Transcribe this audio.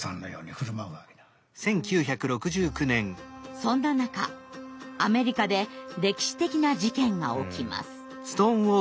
そんな中アメリカで歴史的な事件が起きます。